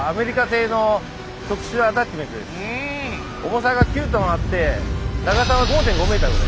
重さが９ｔあって長さは５．５ｍぐらいです。